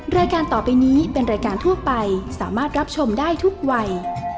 รายการต่อไปนี้เป็นรายการทั่วไปสามารถรับชมได้ทุกวัย